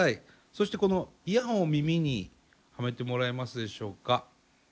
そしてこのイヤホンを耳にはめてもらえますでしょうか。